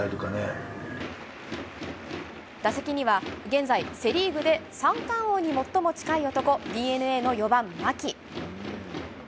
打席には現在セ・リーグで三冠王に最も近い男、ＤｅＮＡの４番・牧。